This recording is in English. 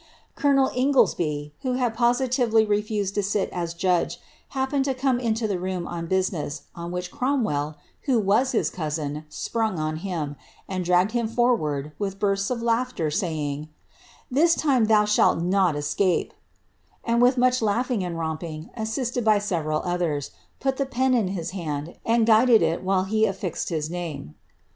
Colonel Ingoldsby, who had positively refused ge, happened to come into the room on business, on which rho was his cousin, sprung on him, and dragged him fop orsts of laughter, saying,^ This time thou shalt not escape JP^ ch laughing and romping, assisted by several others, put the ind, and guided it while he affixed his name.'